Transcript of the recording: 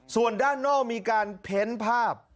ส่วนด้านนอกมีการเพ้นภาพ